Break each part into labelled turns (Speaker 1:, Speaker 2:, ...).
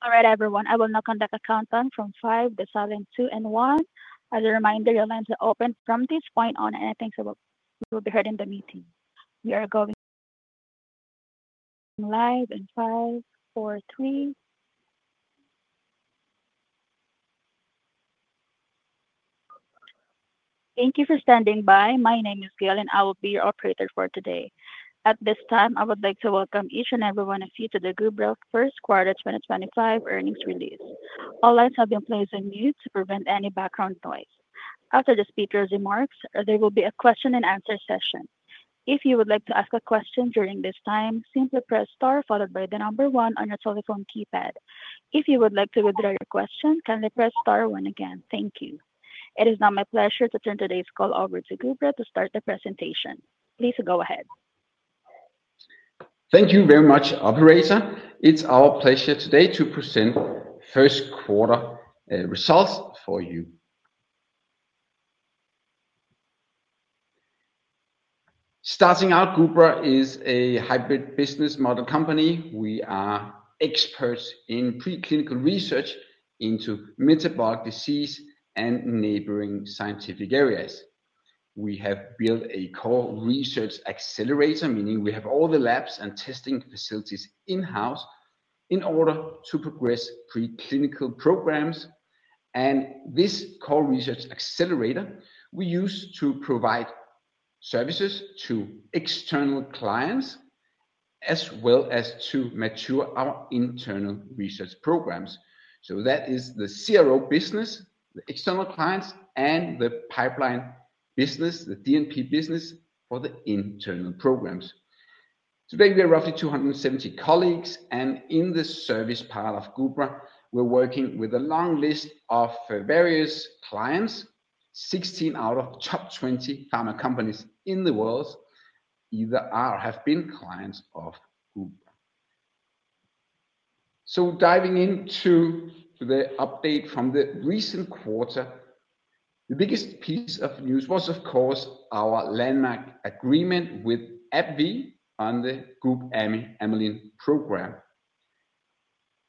Speaker 1: All right, everyone. I will now conduct a countdown from five, then seven, two, and one. As a reminder, your lines are open from this point on, and I think we will be heading to meeting. We are going live in five, four, three. Thank you for standing by. My name is Gayle, and I will be your operator for today. At this time, I would like to welcome each and every one of you to the Gubra First Quarter 2025 earnings release. All lines have been placed on mute to prevent any background noise. After the speaker's remarks, there will be a question-and-answer session. If you would like to ask a question during this time, simply press star followed by the number one on your telephone keypad. If you would like to withdraw your question, kindly press star one again. Thank you. It is now my pleasure to turn today's call over to Gubra to start the presentation. Please go ahead.
Speaker 2: Thank you very much, Operator. It's our pleasure today to present first quarter results for you. Starting out, Gubra is a hybrid business model company. We are experts in preclinical research into metabolic disease and neighboring scientific areas. We have built a core research accelerator, meaning we have all the labs and testing facilities in-house in order to progress preclinical programs. This core research accelerator we use to provide services to external clients as well as to mature our internal research programs. That is the CRO business, the external clients, and the pipeline business, the D&P business for the internal programs. Today, we are roughly 270 colleagues, and in the service part of Gubra, we're working with a long list of various clients, 16 out of the top 20 pharma companies in the world either are or have been clients of Gubra. Diving into the update from the recent quarter, the biggest piece of news was, of course, our landmark agreement with AbbVie on the GUBamy program.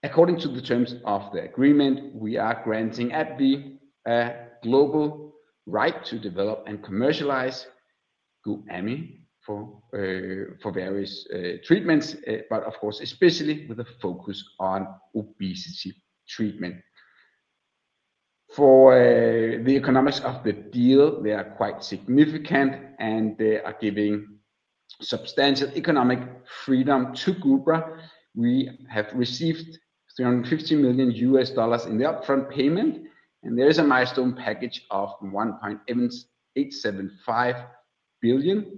Speaker 2: According to the terms of the agreement, we are granting AbbVie a global right to develop and commercialize GUBamy for various treatments, but, of course, especially with a focus on obesity treatment. For the economics of the deal, they are quite significant, and they are giving substantial economic freedom to Gubra. We have received $350 million in the upfront payment, and there is a milestone package of $1.875 billion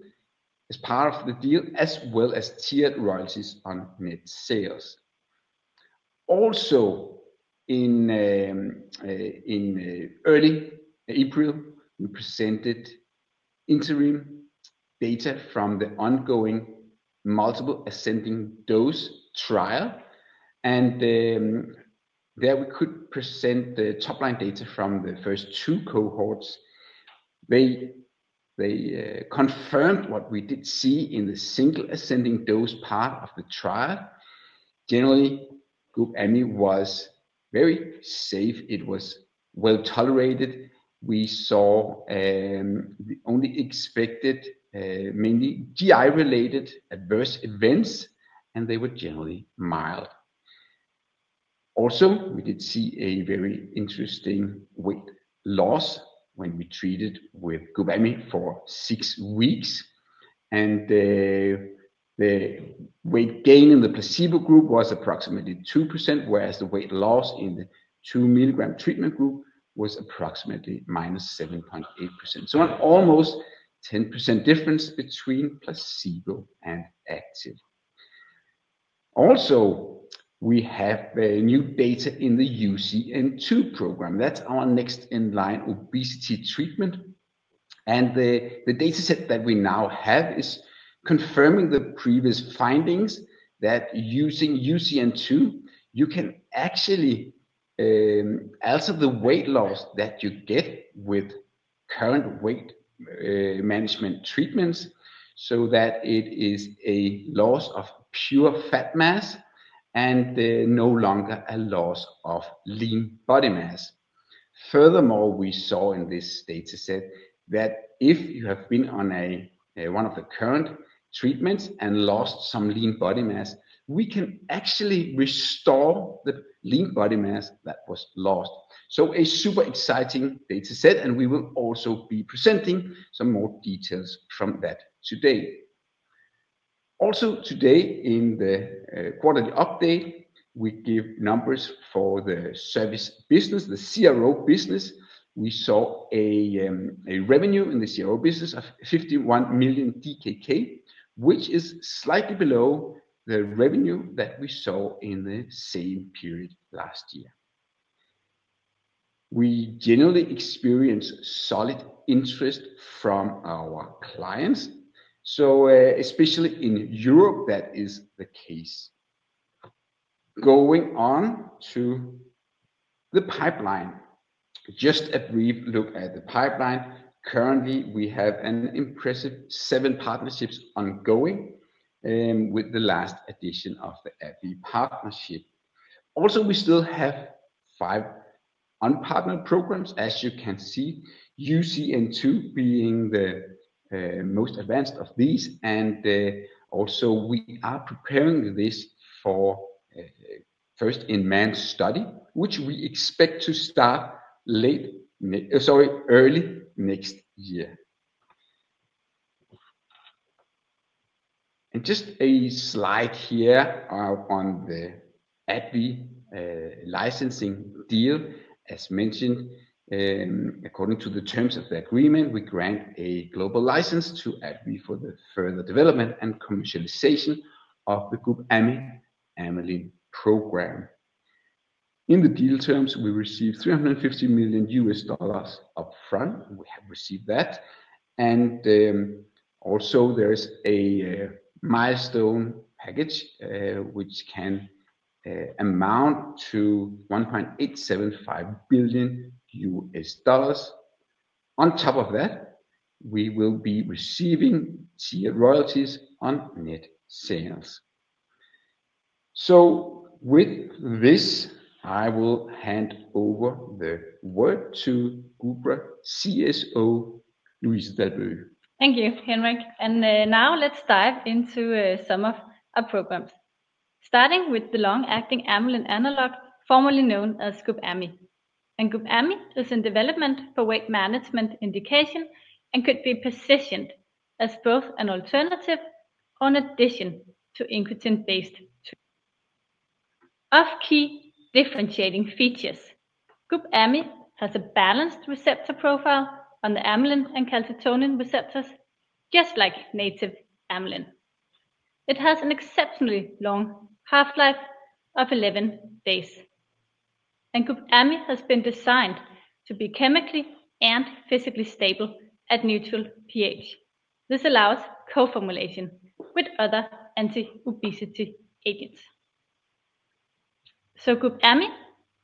Speaker 2: as part of the deal, as well as tiered royalties on net sales. Also, in early April, we presented interim data from the ongoing multiple ascending dose trial, and there we could present the top-line data from the first two cohorts. They confirmed what we did see in the single ascending dose part of the trial. Generally, GUBamy was very safe. It was well tolerated. We saw the only expected mainly GI-related adverse events, and they were generally mild. Also, we did see a very interesting weight loss when we treated with GUBamy for six weeks, and the weight gain in the placebo group was approximately 2%, whereas the weight loss in the 2 mg treatment group was approximately -7.8%. An almost 10% difference between placebo and active. Also, we have new data in the UCN2 program. That is our next in line obesity treatment. The dataset that we now have is confirming the previous findings that using UCN2, you can actually alter the weight loss that you get with current weight management treatments so that it is a loss of pure fat mass and no longer a loss of lean body mass. Furthermore, we saw in this dataset that if you have been on one of the current treatments and lost some lean body mass, we can actually restore the lean body mass that was lost. A super exciting dataset, and we will also be presenting some more details from that today. Also, today in the quarterly update, we give numbers for the service business, the CRO business. We saw a revenue in the CRO business of 51 million DKK, which is slightly below the revenue that we saw in the same period last year. We generally experience solid interest from our clients, so especially in Europe, that is the case. Going on to the pipeline, just a brief look at the pipeline. Currently, we have an impressive seven partnerships ongoing with the last addition of the AbbVie partnership. Also, we still have five unpartnered programs, as you can see, UCN2 being the most advanced of these. Also, we are preparing this for first-in-man study, which we expect to start late next year, sorry, early next year. Just a slide here on the AbbVie licensing deal. As mentioned, according to the terms of the agreement, we grant a global license to AbbVie for the further development and commercialization of the GUBamy amylin program. In the deal terms, we received $350 million upfront. We have received that. There is a milestone package which can amount to $1.875 billion. On top of that, we will be receiving tiered royalties on net sales. With this, I will hand over the word to Gubra CSO, Louise Dalbøge.
Speaker 3: Thank you, Henrik. Now let's dive into some of our programs. Starting with the long-acting amylin analog, formerly known as GUBamy. GUBamy is in development for weight management indication and could be positioned as both an alternative or an addition to incretin-based treatments. Of key differentiating features, GUBamy has a balanced receptor profile on the amylin and calcitonin receptors, just like native amylin. It has an exceptionally long half-life of 11 days. GUBamy has been designed to be chemically and physically stable at neutral pH. This allows co-formulation with other anti-obesity agents. GUBamy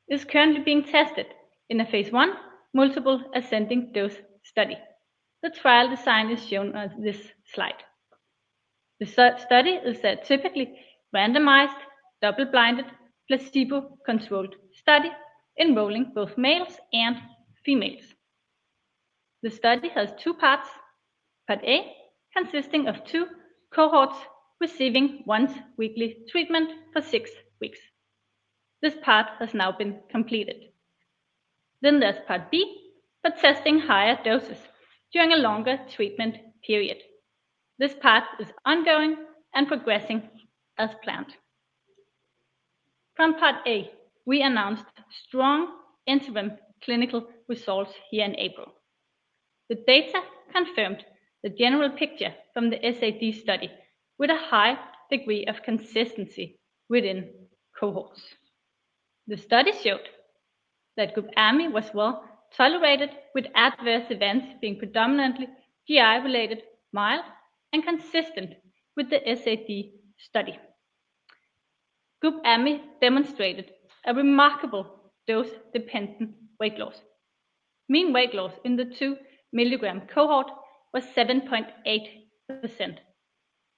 Speaker 3: is currently being tested in a phase I multiple ascending dose study. The trial design is shown on this slide. The study is a typically randomized double-blinded placebo-controlled study involving both males and females. The study has two parts, part A, consisting of two cohorts receiving once-weekly treatment for six weeks. This part has now been completed. There is part B for testing higher doses during a longer treatment period. This part is ongoing and progressing as planned. From part A, we announced strong interim clinical results here in April. The data confirmed the general picture from the SAD study with a high degree of consistency within cohorts. The study showed that GUBamy was well tolerated with adverse events being predominantly GI-related, mild, and consistent with the SAD study. GUBamy demonstrated a remarkable dose-dependent weight loss. Mean weight loss in the 2 mg cohort was 7.8%,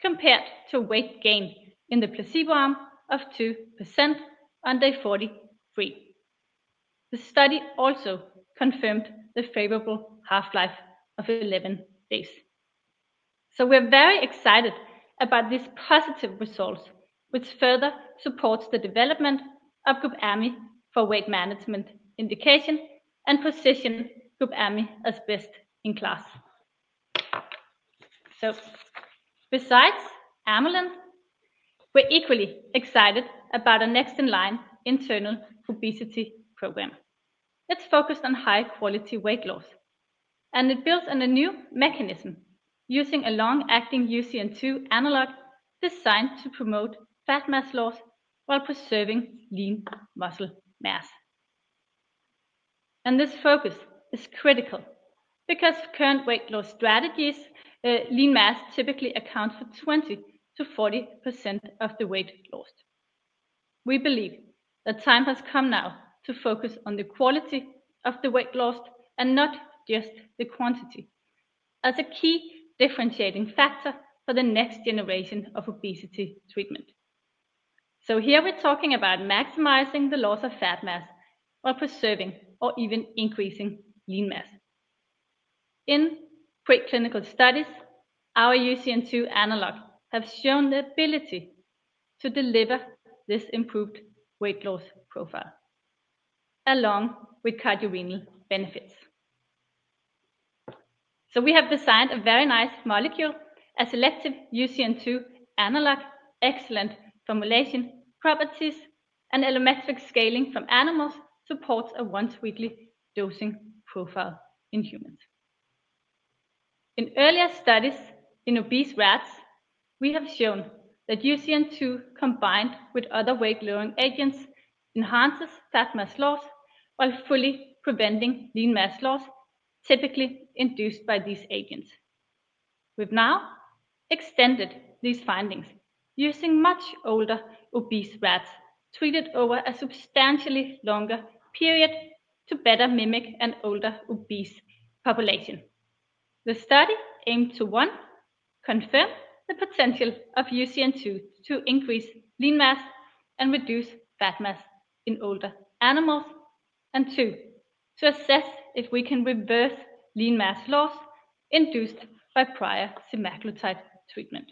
Speaker 3: compared to weight gain in the placebo arm of 2% on day 43. The study also confirmed the favorable half-life of 11 days. We're very excited about these positive results, which further supports the development of GUBamy for weight management indication and positioning GUBamy as best in class. Besides amylin, we're equally excited about a next-in-line internal obesity program. It's focused on high-quality weight loss, and it builds on a new mechanism using a long-acting UCN2 analog designed to promote fat mass loss while preserving lean muscle mass. This focus is critical because with current weight loss strategies, lean mass typically accounts for 20%-40% of the weight lost. We believe the time has come now to focus on the quality of the weight lost and not just the quantity as a key differentiating factor for the next generation of obesity treatment. Here we're talking about maximizing the loss of fat mass while preserving or even increasing lean mass. In preclinical studies, our UCN2 analog has shown the ability to deliver this improved weight loss profile along with cardiorenal benefits. We have designed a very nice molecule, a selective UCN2 analog, excellent formulation properties, and allometric scaling from animals supports a once-weekly dosing profile in humans. In earlier studies in obese rats, we have shown that UCN2 combined with other weight-lowering agents enhances fat mass loss while fully preventing lean mass loss typically induced by these agents. We've now extended these findings using much older obese rats treated over a substantially longer period to better mimic an older obese population. The study aimed to, one, confirm the potential of UCN2 to increase lean mass and reduce fat mass in older animals, and two, to assess if we can reverse lean mass loss induced by prior semaglutide treatment.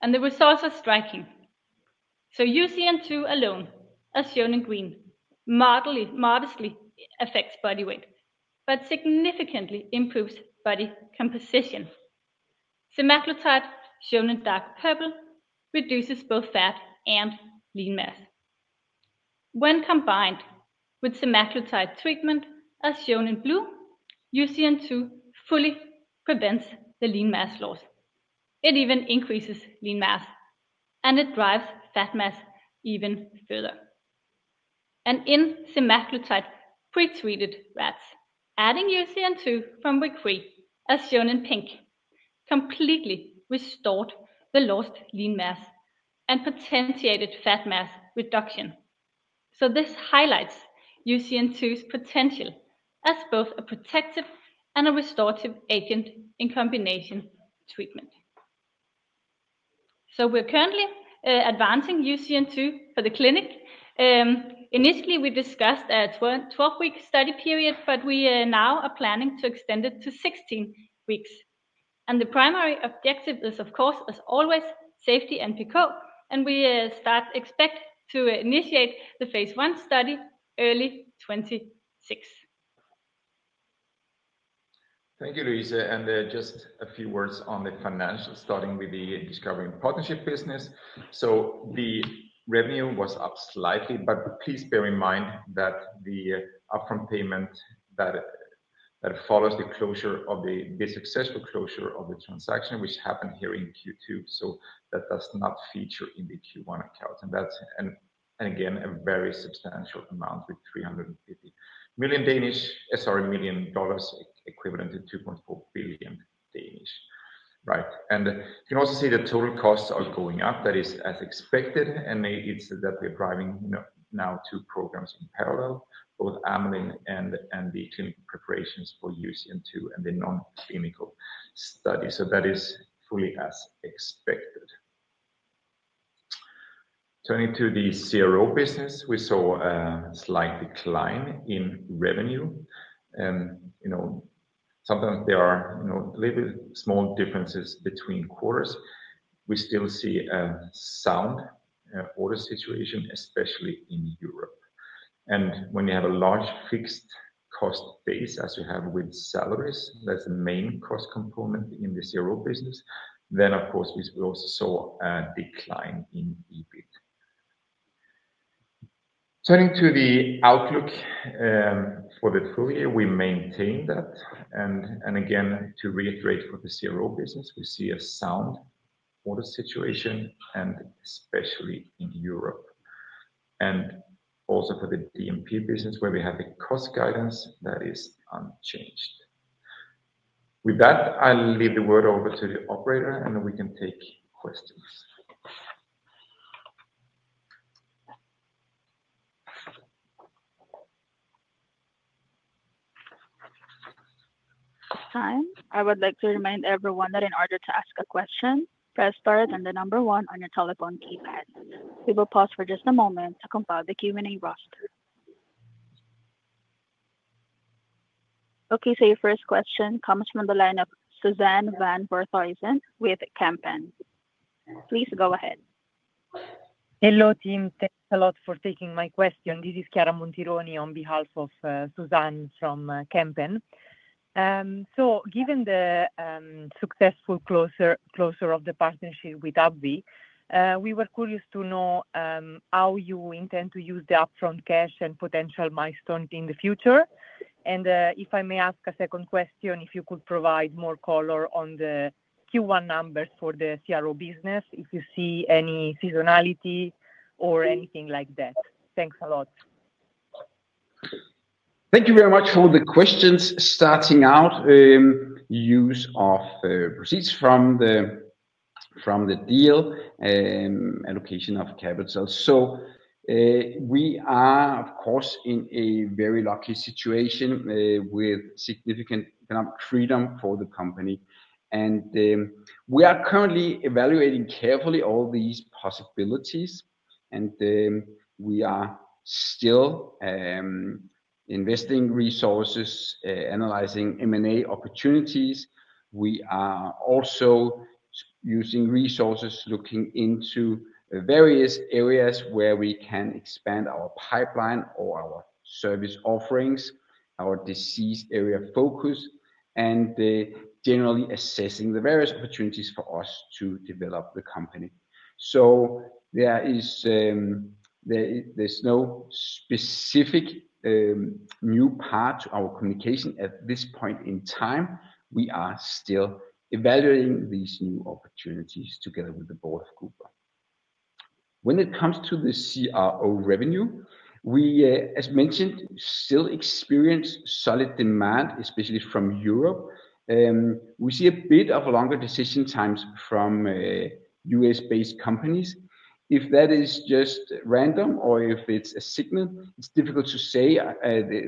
Speaker 3: The results are striking. UCN2 alone, as shown in green, modestly affects body weight, but significantly improves body composition. Semaglutide, shown in dark purple, reduces both fat and lean mass. When combined with semaglutide treatment, as shown in blue, UCN2 fully prevents the lean mass loss. It even increases lean mass, and it drives fat mass even further. In semaglutide pretreated rats, adding UCN2 from week three, as shown in pink, completely restored the lost lean mass and potentiated fat mass reduction. This highlights UCN2's potential as both a protective and a restorative agent in combination treatment. We are currently advancing UCN2 for the clinic. Initially, we discussed a 12-week study period, but we now are planning to extend it to 16 weeks. The primary objective is, of course, as always, safety and PICO, and we expect to initiate the phase I study early 2026.
Speaker 4: Thank you, Louise. Just a few words on the financials, starting with the discovery and partnership business. The revenue was up slightly, but please bear in mind that the upfront payment that follows the closure of the successful closure of the transaction, which happened here in Q2, does not feature in the Q1 account. That is, again, a very substantial amount with $350 million, equivalent to 2.4 billion. You can also see the total costs are going up. That is as expected, and it is that we are driving now two programs in parallel, both amylin and the clinical preparations for UCN2 and the non-clinical study. That is fully as expected. Turning to the CRO business, we saw a slight decline in revenue. Sometimes there are little small differences between quarters. We still see a sound order situation, especially in Europe. When you have a large fixed cost base as you have with salaries, that's the main cost component in the CRO business. Of course, we also saw a decline in EBIT. Turning to the outlook for the full year, we maintain that. Again, to reiterate for the CRO business, we see a sound order situation, especially in Europe. Also for the D&P business, we have a cost guidance that is unchanged. With that, I'll leave the word over to the operator, and we can take questions.
Speaker 1: Time. I would like to remind everyone that in order to ask a question, press star and then the number one on your telephone keypad. We will pause for just a moment to compile the Q&A roster. Okay, so your first question comes from the line of Suzanne Van Voorthuizen with Kempen. Please go ahead.
Speaker 5: Hello team, thanks a lot for taking my question. This is Chiara Montironi on behalf of Suzanne from Kempen. Given the successful closure of the partnership with AbbVie, we were curious to know how you intend to use the upfront cash and potential milestones in the future. If I may ask a second question, if you could provide more color on the Q1 numbers for the CRO business, if you see any seasonality or anything like that. Thanks a lot.
Speaker 2: Thank you very much for the questions. Starting out, use of receipts from the deal, allocation of capital. We are, of course, in a very lucky situation with significant economic freedom for the company. We are currently evaluating carefully all these possibilities, and we are still investing resources, analyzing M&A opportunities. We are also using resources, looking into various areas where we can expand our pipeline or our service offerings, our disease area focus, and generally assessing the various opportunities for us to develop the company. There is no specific new part to our communication at this point in time. We are still evaluating these new opportunities together with the board of Gubra. When it comes to the CRO revenue, we, as mentioned, still experience solid demand, especially from Europe. We see a bit of longer decision times from U.S.-based companies. If that is just random or if it's a signal, it's difficult to say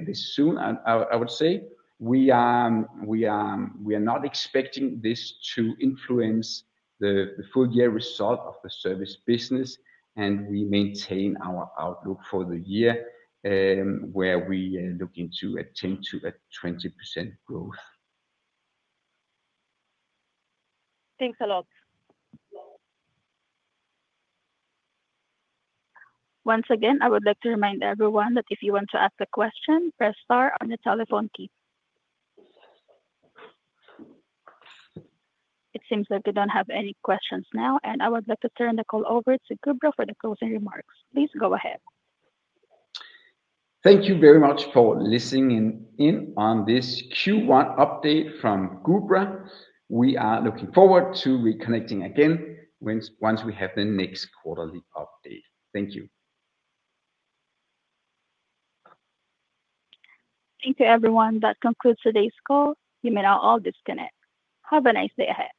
Speaker 2: this soon, I would say. We are not expecting this to influence the full year result of the service business, and we maintain our outlook for the year where we are looking to attend to a 20% growth.
Speaker 1: Thanks a lot. Once again, I would like to remind everyone that if you want to ask a question, press star on the telephone key. It seems like we don't have any questions now, and I would like to turn the call over to Gubra for the closing remarks. Please go ahead.
Speaker 2: Thank you very much for listening in on this Q1 update from Gubra. We are looking forward to reconnecting again once we have the next quarterly update. Thank you.
Speaker 1: Thank you, everyone. That concludes today's call. You may now all disconnect. Have a nice day ahead.